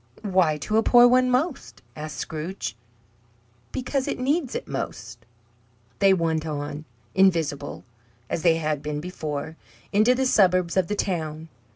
"Why to a poor one most?" asked Scrooge. "Because it needs it most." They went on, invisible, as they had been before, into the suburbs of the town.